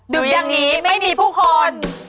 ดึงอย่างนี้ไม่มีผู้คน